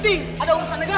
tidak sesuai bentuk